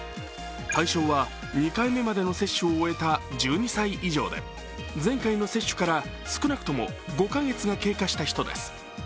対象は、２回目までの接種を終えた１２歳以上で前回の接種から少なくとも５か月が経過した人です。